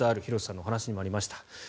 廣瀬さんのお話にもありました。